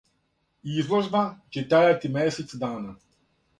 Изложба ће трајати месец дана.